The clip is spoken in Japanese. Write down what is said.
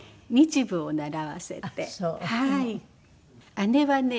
姉はね